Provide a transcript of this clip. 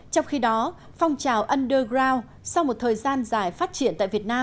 trong khi đó phong trào underground sau một thời gian dài phát triển tại việt nam